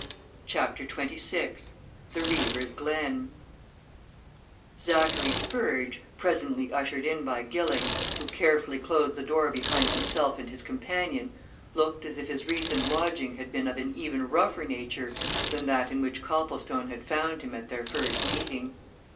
CHAPTER XXVI THE REAVER'S GLEN Zachary Spurge, presently ushered in by Gilling, who carefully closed the door behind himself and his companion, looked as if his recent lodging had been of an even rougher nature than that in which Copplestone had found him at their first meeting.